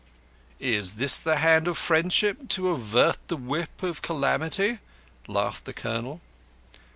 "Is this the Hand of Friendship to avert the Whip of Calamity?" laughed the Colonel.